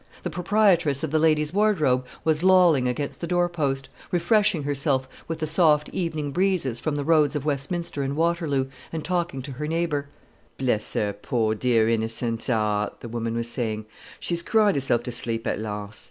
The proprietress of the Ladies' Wardrobe was lolling against the door post, refreshing herself with the soft evening breezes from the roads of Westminster and Waterloo, and talking to her neighbour. "Bless her pore dear innercent 'art!" the woman was saying; "she's cried herself to sleep at last.